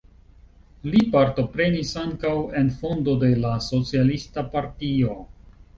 Li partoprenis ankaŭ en fondo de la socialista partio.